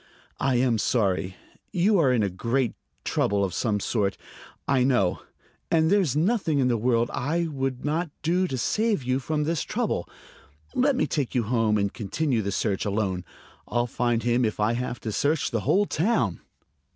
"I am sorry. You are in great trouble of some sort, I know; and there's nothing in the world I would not do to save you from this trouble. Let me take you home and continue the search alone. I'll find him if I have to search the whole town."